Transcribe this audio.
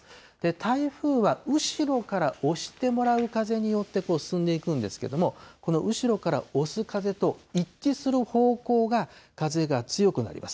台風は後ろから押してもらう風によって進んでいくんですけれども、この後ろから押す風と一致する方向が風が強くなります。